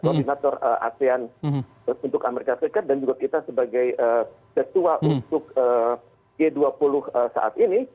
koordinator asean untuk amerika serikat dan juga kita sebagai ketua untuk g dua puluh saat ini